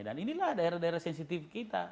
dan inilah daerah daerah sensitif kita